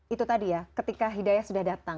itu tadi ya ketika hidayah sudah datang